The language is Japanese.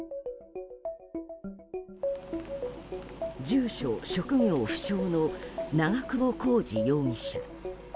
住所・職業不詳の長久保浩二容疑者。